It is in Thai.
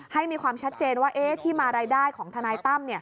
ให้มีความชัดเจนว่าที่มารายได้ของทนายตั้ม